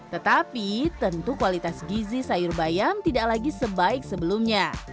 tetapi tentu kualitas gizi sayur bayam tidak lagi sebaik sebelumnya